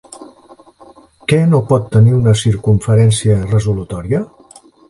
Què no pot tenir una circumferència resolutòria?